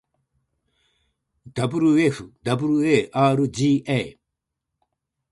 wfwarga